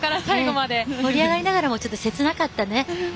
盛り上がりながらも切なかったね。